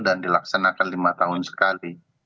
dan dilaksanakan lima tahun sekali